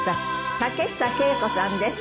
竹下景子さんです。